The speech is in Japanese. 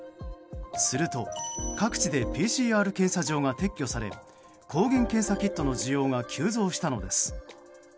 すると各地でＰＣＲ検査場が撤去され抗原検査キットの需要が急増したのです。